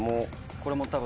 これも多分。